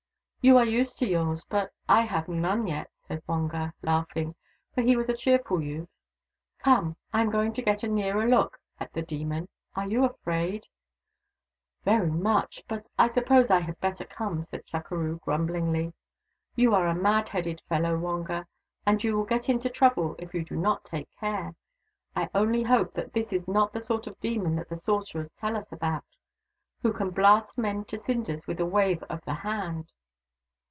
" You are used to yours, but I have none yet," said Wonga, laughing, for he was a cheerful youth. " Come, I am going to get a nearer look at the demon. Are you afraid ?"" Very much, but I suppose I had better come," said Chukeroo grumblingly. " You are a mad headed fellow, Wonga, and you will get into trouble if you do not take care. I only hope that this is not the sort of demon that the sorcerers tell us about, who can blast men to cinders with a wave of the hand."